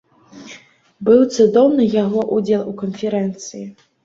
Быў цудоўны яго ўдзел у канферэнцыі.